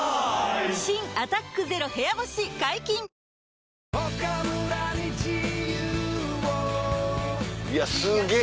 新「アタックＺＥＲＯ部屋干し」解禁‼いやすげぇ。